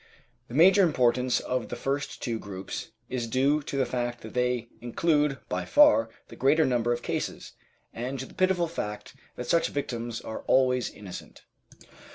The major importance of the first two groups is due to the fact that they include by far the greater number of cases, and to the pitiful fact that such victims are always innocent.